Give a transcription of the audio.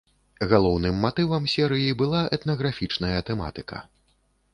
Галоўным матывам серыі была этнаграфічная тэматыка.